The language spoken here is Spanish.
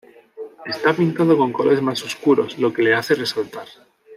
Está pintado con colores más oscuros, lo que le hace resaltar.